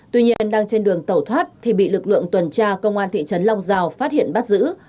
tuy nhiên đang trên đường tẩu thoát thì bị lực lượng tuần tra công an thị trấn long giao phát hiện bắt giữ